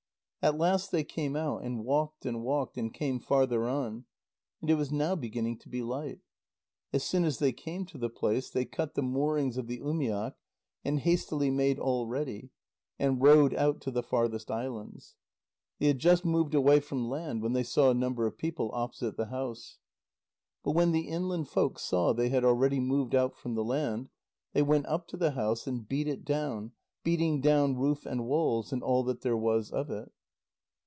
At last they came out, and walked and walked and came farther on. And it was now beginning to be light. As soon as they came to the place, they cut the moorings of the umiak, and hastily made all ready, and rowed out to the farthest islands. They had just moved away from land when they saw a number of people opposite the house. But when the inland folk saw they had already moved out from the land, they went up to the house and beat it down, beating down roof and walls and all that there was of it.